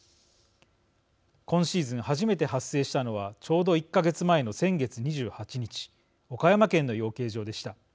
今シーズン初めて発生したのはちょうど１か月前の先月２８日岡山県の養鶏場でした。